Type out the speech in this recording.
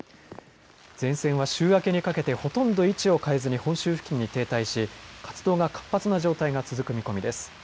前線は週明けにかけてほとんど位置を変えずに本州付近に停滞し活動が活発な状態が続く見込みです。